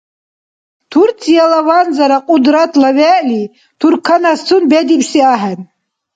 Турцияла ванзара Кьудратла вегӀли турканасцун бедибси ахӀен.